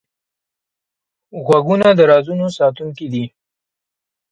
غوږونه د رازونو ساتونکی وي